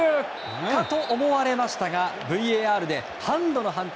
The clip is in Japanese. かと思われましたがＶＡＲでハンド判定。